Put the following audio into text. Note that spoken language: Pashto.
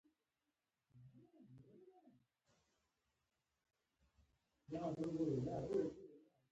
دا سیاسي بدلونونه د پراخو نوښتونو لامل شول.